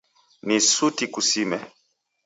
Ni suti kusime.